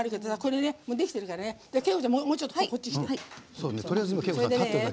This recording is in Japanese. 景子ちゃん、もうちょっとこっちに来て。